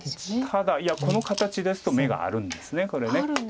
ただいやこの形ですと眼があるんですこれ。